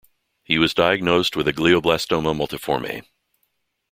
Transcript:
He was diagnosed with a glioblastoma multiforme.